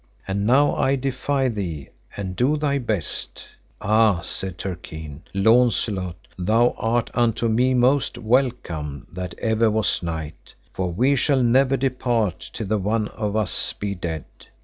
And now I defy thee, and do thy best. Ah, said Turquine, Launcelot, thou art unto me most welcome that ever was knight, for we shall never depart till the one of us be dead.